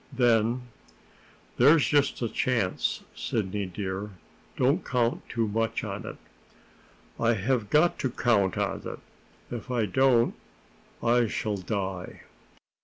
Then: "There's just a chance, Sidney dear. Don't count too much on it." "I have got to count on it. If I don't, I shall die."